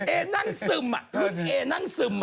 แอ๊นั่งซึมอ่ะพี่แอ๊นั่งซึมอ่ะ